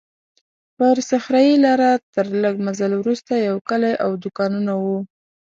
پر صحرایي لاره تر لږ مزل وروسته یو کلی او دوکانونه وو.